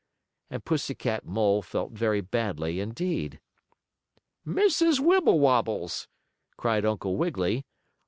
and Pussy Cat Mole felt very badly, indeed. "Mrs. Wibblewobble's!" cried Uncle Wiggily.